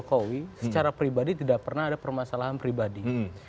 pak jokowi secara pribadi tidak pernah ada permasalahan pribadi